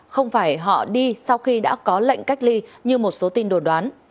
không phải họ đi sau khi đã có lệnh cách ly như một số tin đồn đoán